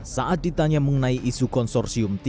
saat ditanya mengenai isu konsulasi